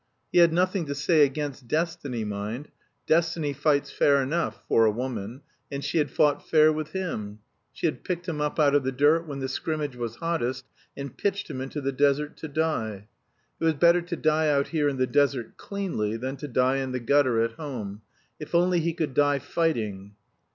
He had nothing to say against Destiny, mind. Destiny fights fair enough (for a woman), and she had fought fair with him. She had picked him up out of the dirt when the scrimmage was hottest, and pitched him into the desert to die. It was better to die out here in the desert cleanly, than to die in the gutter at home. If only he could die fighting!